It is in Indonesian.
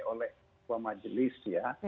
oleh ketua majelis ya